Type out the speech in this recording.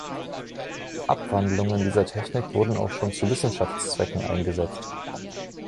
Abwandlungen dieser Technik wurden auch schon zu Wissenschaftszwecken eingesetzt.